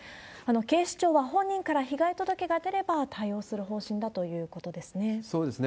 警視庁は本人から被害届が出れば対応する方針だということですね。